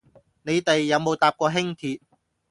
你哋有冇搭過輕鐵